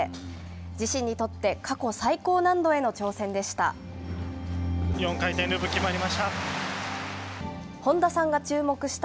自身にとって過去最高難度への挑戦でした。